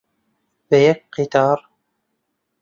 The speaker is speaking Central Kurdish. بە یەک قیتار،